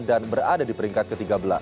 dan berada di peringkat ke tiga belas